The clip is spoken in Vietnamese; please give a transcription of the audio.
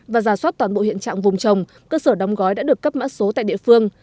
và giả soát toàn bộ hiện trạng vùng trồng cơ sở đóng gói đã được cấp mã số tại địa phương